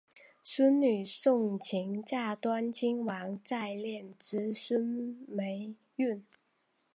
孙女诵琴嫁端亲王载漪之孙毓运。